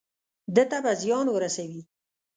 ده ته به زیان ورسوي.